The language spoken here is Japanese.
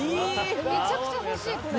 めちゃくちゃ欲しいこれ。